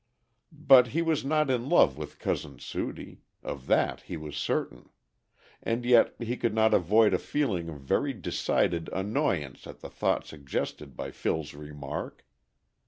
But he was not in love with Cousin Sudie. Of that he was certain. And yet he could not avoid a feeling of very decided annoyance at the thought suggested by Phil's remark.